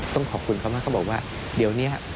ต้องขอบคุณเขามากเขาบอกว่าเดี๋ยวนี้